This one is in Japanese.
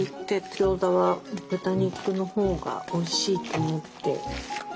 ギョーザは豚肉の方がおいしいと思って。